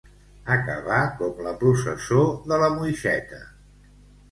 Acabar com la processó de la Moixeta.